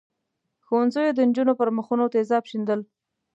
ښوونځیو د نجونو پر مخونو تېزاب شیندل.